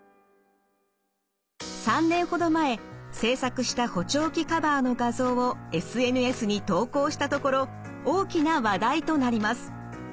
３年ほど前制作した補聴器カバーの画像をＳＮＳに投稿したところ大きな話題となります。